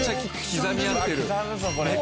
刻み合ってる。